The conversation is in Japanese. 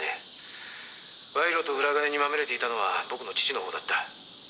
「賄賂と裏金にまみれていたのは僕の父のほうだった」